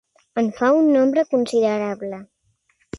En fa un nombre considerable.